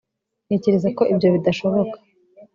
ntekereza ko ibyo bidashoboka